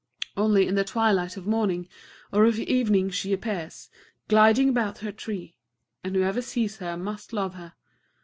Only in the twilight of morning or of evening she appears, gliding about her tree; and whoever sees her must love her.